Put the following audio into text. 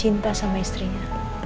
cinta sama istrinya